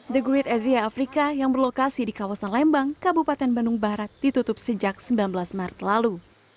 the great asia afrika yang berlokasi di kawasan lembang kabupaten bandung barat ditutup sejak sembilan belas maret lalu